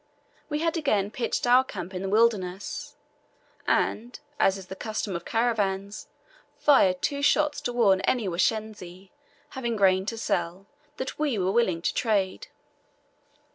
We had again pitched our camp in the wilderness, and, as is the custom of caravans, fired two shots to warn any Washensi having grain to sell, that we were willing to trade.